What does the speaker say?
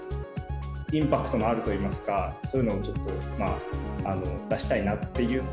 インパクトのあるといいますか、そういうのをちょっと、出したいなっていう。